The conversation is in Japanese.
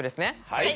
はい。